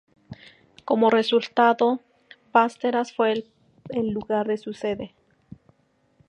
Como resultado, Västerås fue el lugar de su sede.